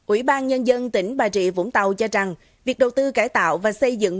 ủy ban nhân dân tỉnh bà rịa vũng tàu cho rằng việc đầu tư cải tạo và xây dựng